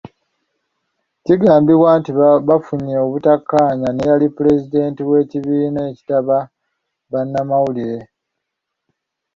Bigambibwa nti bafunye obutakkaanya n'eyali Pulezidenti w'ekibiina ekitaba bannamawulire.